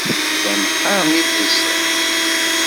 Llan qqaren idlisen.